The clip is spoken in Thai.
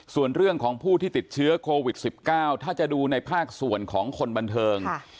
ส่วนเรื่องของผู้ที่ติดเชื้อโควิด๑๙ถ้าจะดูในภาคส่วนของคนบันเทิง